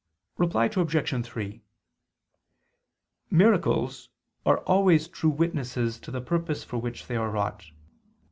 Reply Obj. 3: Miracles are always true witnesses to the purpose for which they are wrought.